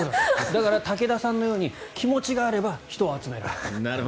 だから武田さんのように気持ちがあれば人を集められる。